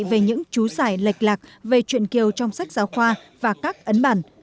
về những chú giải lệch lạc về chuyện kiều trong sách giáo khoa và các ấn bản